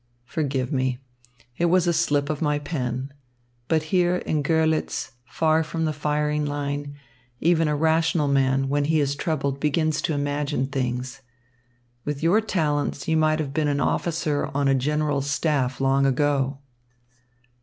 Forgive me. It was a slip of my pen. But here in Görlitz, far from the firing line, even a rational man, when he is troubled, begins to imagine things. With your talents you might have been an officer on a general's staff long ago.